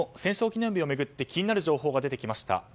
記念日を巡って気になる情報が出てきました。